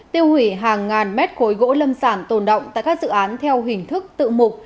tiêu hủy hàng ngàn mét khối gỗ lâm sản tồn động tại các dự án theo hình thức tự mục